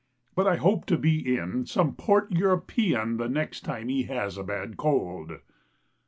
But I hope to be in some port European The next time he has a bad cold.